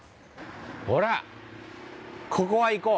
ほらここは行こう。